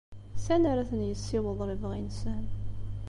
Sani ara ten-yessiweḍ lebɣi-nsen?